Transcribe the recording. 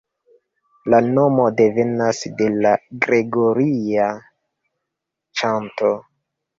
La nomo devenas de la Gregoria ĉanto.